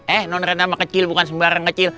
eh non ren sama kecil bukan sembarang kecil